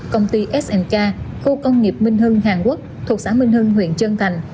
công ty sk khu công nghiệp minh hưng hàn quốc thuộc xã minh hưng huyện trân thành